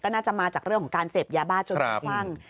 น่าจะมาจากเรื่องของการเสพยาบ้าจนคุ้มคลั่ง